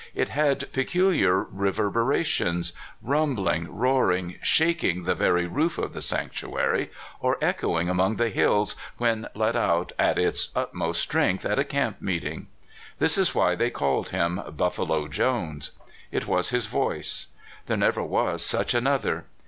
It had peculiar rever berations—rumbling, roaring, shaking the very roof of the sanctuary, or echoing among the hills when let out at its utmost strength at a camp meet ing. This is why they called him Buffalo Jones. It was his voice. There never was such another.